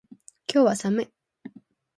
今日は寒い